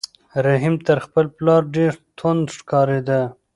رحیم تر خپل پلار ډېر توند ښکارېده.